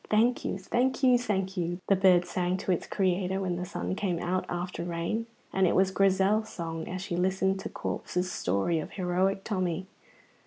"Thank you, thank you, thank you!" the bird sang to its Creator when the sun came out after rain, and it was Grizel's song as she listened to Corp's story of heroic Tommy.